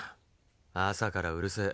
朝からうるせえ。